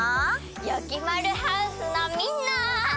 よきまるハウスのみんな！